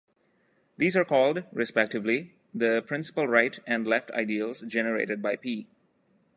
These are called, respectively, the principal right and left ideals generated by "p".